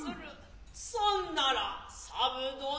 そんなら三婦殿。